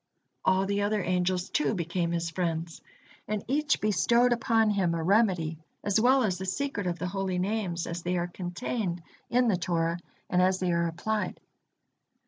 All the other angels, too, became his friends, and each bestowed upon him a remedy as well as the secret of the Holy Names, as they are contained in the Torah, and as they are applied.